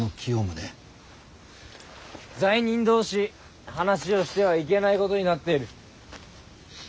罪人同士話をしてはいけないことになっている。